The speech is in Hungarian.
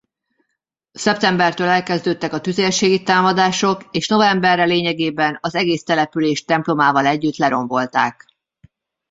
Szeptembertől elkezdődtek a tüzérségi támadások és novemberre lényegében az egész települést templomával együtt lerombolták.